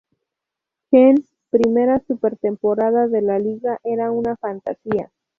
Chen primera Súper temporada de la Liga era una fantasía.